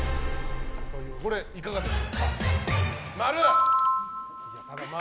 これ、いかがでしょうか？